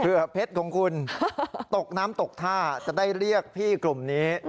เพชรของคุณตกน้ำตกท่าจะได้เรียกพี่กลุ่มนี้